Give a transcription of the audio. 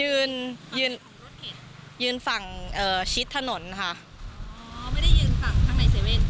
ยืนยืนรถยืนยืนฝั่งเอ่อชิดถนนค่ะอ๋อไม่ได้ยืนฝั่งข้างในเซเว่น